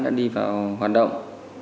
đã đi vào hoạt động